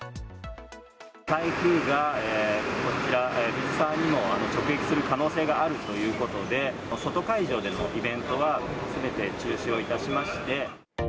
台風がこちら、藤沢にも直撃する可能性があるということで、外会場でのイベントは、すべて中止をいたしまして。